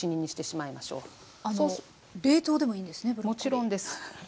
もちろんです。